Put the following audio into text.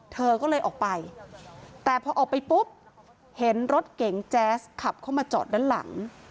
เธอก็เลยออกไปแต่พอออกไปปุ๊บเห็นรถเก๋งแจ๊สขับเข้ามาจอดด้านหลัง